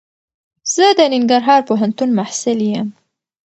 زه دننګرهار پوهنتون محصل یم.